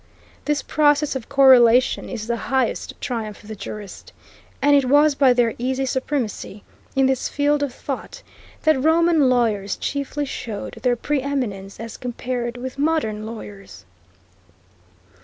This process of correlation is the highest triumph of the jurist, and it was by their easy supremacy in this field of thought, that Roman lawyers chiefly showed their preeminence as compared with modern lawyers.